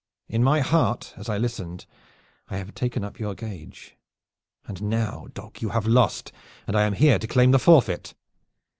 In my heart, as I listened, I have taken up your gage. And now, dog, you have lost and I am here to claim the forfeit."